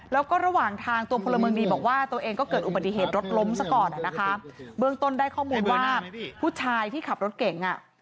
แล้วก็ระหว่างทางตัวพลเมืองดีบอกว่าตัวเองก็เกิดอุบัติเหตุรถล้มซะก่อนอ่ะนะคะเบื้องต้นได้ข้อมูลว่าผู้ชายที่ขับรถเก่งอ่ะ